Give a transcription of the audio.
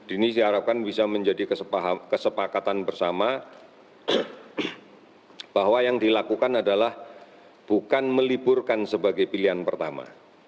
ini saya harapkan bisa menjadi kesepakatan bersama bahwa yang dilakukan adalah bukan meliburkan sebagai pilihan pertama